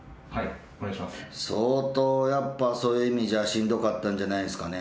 相当やっぱそういう意味じゃしんどかったんじゃないんすかね。